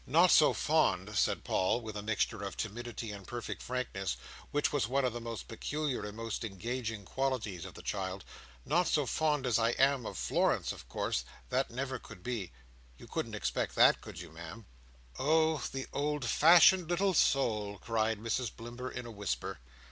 "Not so fond," said Paul, with a mixture of timidity and perfect frankness, which was one of the most peculiar and most engaging qualities of the child, "not so fond as I am of Florence, of course; that could never be. You couldn't expect that, could you, Ma'am?" "Oh! the old fashioned little soul!" cried Mrs Blimber, in a whisper.